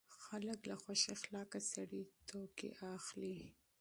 خلک له خوش اخلاقه سړي توکي اخلي.